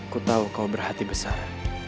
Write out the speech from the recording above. ku tahu kau berhati besar